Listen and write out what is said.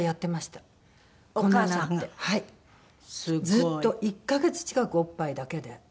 ずっと１カ月近くおっぱいだけで。